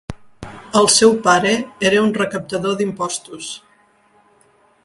El seu pare era un recaptador d'impostos.